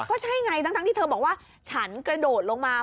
ก็ใช่ไงทั้งที่เธอบอกว่าฉันกระโดดลงมา